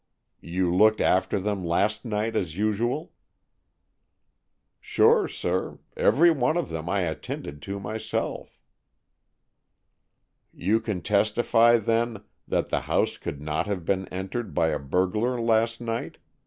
"You looked after them last night, as usual?" "Sure, sir; every one of them I attended to myself." "You can testify, then, that the house could not have been entered by a burglar last night?"